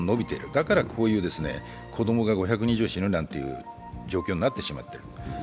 だから、こういう子供が５００人以上、死ぬなんて状況になってしまっている。